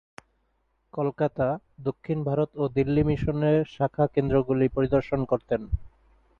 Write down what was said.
কলকাতা, দক্ষিণ ভারত ও দিল্লি মিশনের শাখা কেন্দ্রগুলি তিনি পরিদর্শন করতেন।